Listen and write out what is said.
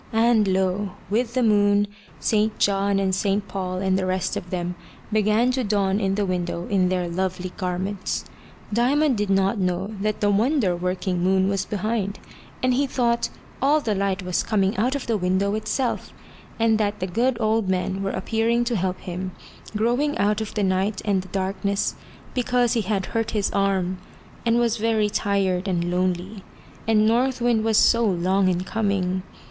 And lo! with the moon, St. John and St. Paul, and the rest of them, began to dawn in the window in their lovely garments. Diamond did not know that the wonder working moon was behind, and he thought all the light was coming out of the window itself, and that the good old men were appearing to help him, growing out of the night and the darkness, because he had hurt his arm, and was very tired and lonely, and North Wind was so long in coming.